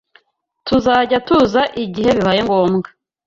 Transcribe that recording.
Tuzajya tuza igihe bibaye ngombwa.